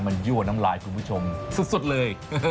มันยั่วน้ำลายคุณผู้ชมสุดเลย